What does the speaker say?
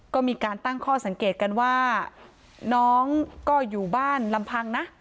ก็มีการตั้งข้อสังเกตกันว่าน้องก็อยู่บ้านลำพังนะ